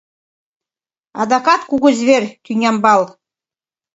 Адакат кугу зверь Тӱнямбал